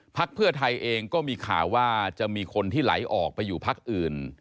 เพื่อไทยเองก็มีข่าวว่าจะมีคนที่ไหลออกไปอยู่พักอื่น